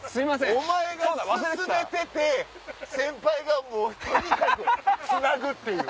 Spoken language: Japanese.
お前が勧めてて先輩がとにかくつなぐっていう